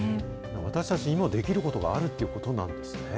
私たちにもできることがあるってことなんですね。